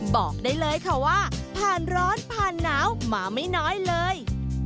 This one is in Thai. บอกได้เลยค่ะว่าผ่านร้อนผ่านหนาวมาไม่น้อยเลย